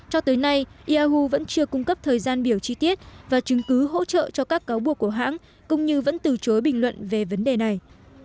cho tới nay yahu vẫn chưa cung cấp thời gian biểu chi tiết và chứng cứ hỗ trợ cho các cáo buộc của hãng cũng như vẫn từ chối bình luận về vấn đề này